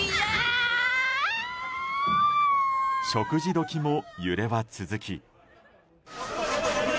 食事時も揺れは続き。